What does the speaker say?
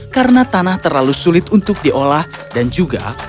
karena tanah terlalu sulit untuk diolah dan juga